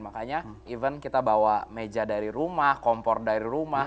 makanya even kita bawa meja dari rumah kompor dari rumah